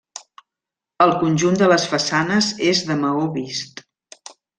El conjunt de les façanes és de maó vist.